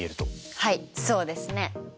はいそうですね。